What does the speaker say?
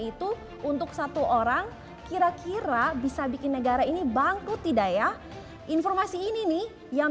itu untuk satu orang kira kira bisa bikin negara ini bangkrut tidak ya informasi ini nih yang